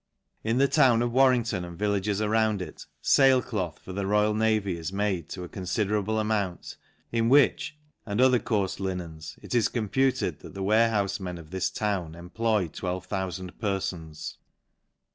In the town of Warrington i and villages around it, fail cloth for the royal navy is made, to a confuierable amount, in which, and other coarfe linens, it is computed that the warehoufe men of this town em ploy 12,000 perfons.